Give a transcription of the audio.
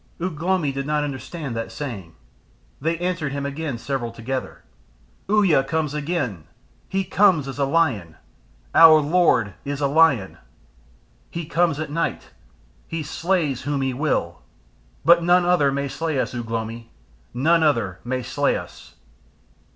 Ugh lomi did not understand that saying. They answered him again several together, "Uya comes again. He comes as a Lion. Our Lord is a Lion. He comes at night. He slays whom he will. But none other may slay us, Ugh lomi, none other may slay us."